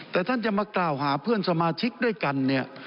แต่ท่านจะมากล่าวหาเพื่อนสมาชิกด้วยกันเนี่ย